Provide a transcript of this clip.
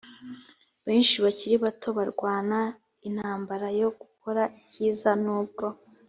benshi bakiri bato barwana intambara yo gukora icyiza nubwo